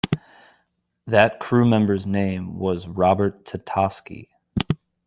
That crew member's name was Robert Tatosky.